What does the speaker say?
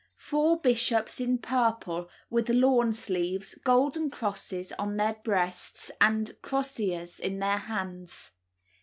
Four bishops in purple, with lawn sleeves, golden crosses on their breasts, and croziers in their hands.